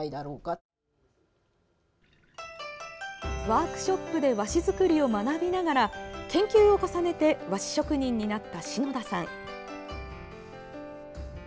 ワークショップで和紙作りを学びながら研究を重ねて和紙職人になった篠田さん。